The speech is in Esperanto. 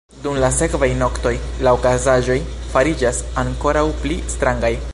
Dum la sekvaj noktoj, la okazaĵoj fariĝas ankoraŭ pli strangaj.